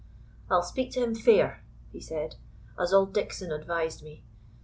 "I'll speak him fair," he said, "as auld Dickon advised me.